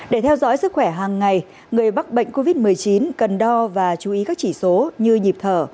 để theo dõi sức khỏe hàng ngày người mắc bệnh covid một mươi chín cần đo và chú ý các chỉ số như nhịp thở